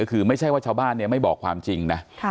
ก็คือไม่ใช่ว่าชาวบ้านไม่บอกความจริงนะ